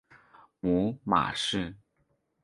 母马氏。